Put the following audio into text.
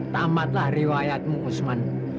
tamatlah riwayatmu usman